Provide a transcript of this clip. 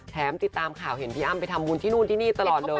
ติดตามข่าวเห็นพี่อ้ำไปทำบุญที่นู่นที่นี่ตลอดเลย